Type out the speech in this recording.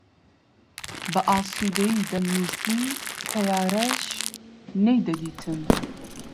بە ئاسوودەیی دەمنووسی، تەیارەش نەیدەدیتم